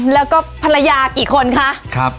แล้วก็ภรรยากี่คนคะ